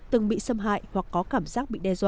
từng bị xâm hại hoặc có cảm giác bị đe dọa